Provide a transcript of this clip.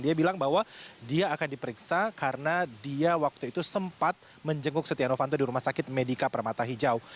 dia bilang bahwa dia akan diperiksa karena dia waktu itu sempat menjenguk setia novanto di rumah sakit medika permata hijau